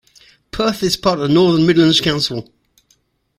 Perth is part of the Northern Midlands Council.